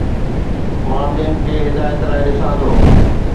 مان ٻين کي هدايت لاء ڏسان ٿو